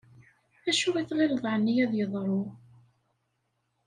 Acu i t-ɣileḍ aɛni ad yeḍṛu?